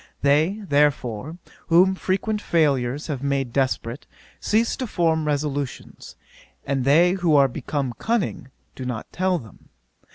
They, therefore, whom frequent failures have made desperate, cease to form resolutions; and they who are become cunning, do not tell them.